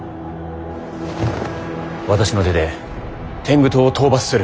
私の手で天狗党を討伐する。